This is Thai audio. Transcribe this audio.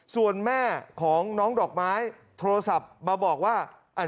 ส่วนแม่ของน้องดอกไม้โทรศัพท์มาบอกว่า